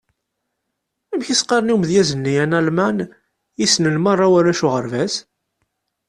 Amek i s-qqaren i umedyaz-nni analman i ssnen merra warrac uɣerbaz?